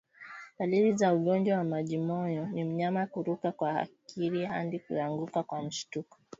Dalili za ugonjwa wa majimoyo ni mnyama kurukwa na akili hadi kuanguka kwa mshtuko